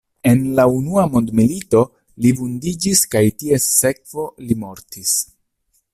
En la unua mondmilito li vundiĝis kaj ties sekvo li mortis.